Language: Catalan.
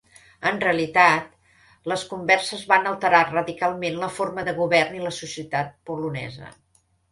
En realitat, les converses van alterar radicalment la forma de govern i la societat polonesa.